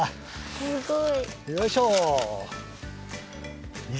すごい。